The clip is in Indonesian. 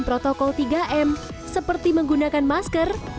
protokol tiga m seperti menggunakan masker